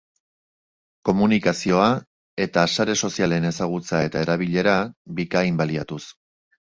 Komunikazioa eta sare sozialen ezagutza eta erabilera bikain baliatuz.